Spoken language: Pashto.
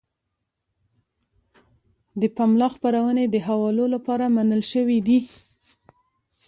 د پملا خپرونې د حوالو لپاره منل شوې دي.